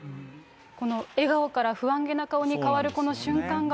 この笑顔から不安げな顔に変わる、この瞬間が。